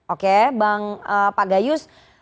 oke bang pak gayus